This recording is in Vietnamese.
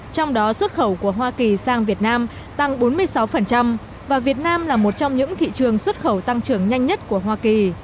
trong đó xuất khẩu của hoa kỳ sang việt nam tăng bốn mươi sáu và việt nam là một trong những thị trường xuất khẩu tăng trưởng nhanh nhất của hoa kỳ